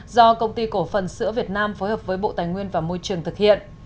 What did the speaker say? do công ty cổ phần sữa việt nam phối hợp với bộ tài nguyên và môi trường thực hiện